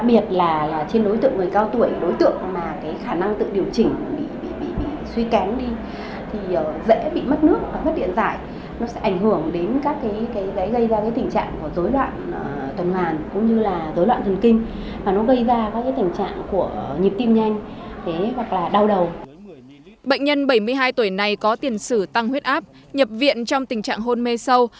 bệnh nhân bảy mươi hai tuổi này có tiền sử tăng huyết áp nhập viện trong tình trạng hôn mê sâu